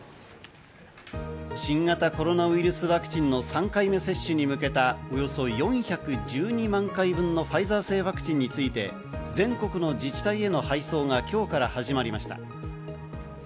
新型コロナウイルスワクチンの３回目接種に向けた、およそ４１２万回分のファイザー製ワクチンについて、全国の自治体への配送が今日から始まりました。